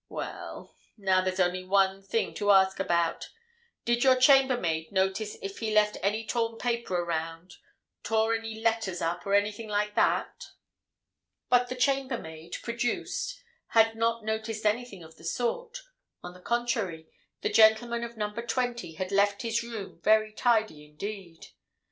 Well—now there's only one thing to ask about. Did your chambermaid notice if he left any torn paper around—tore any letters up, or anything like that?" But the chambermaid, produced, had not noticed anything of the sort; on the contrary, the gentleman of Number 20 had left his room very tidy indeed.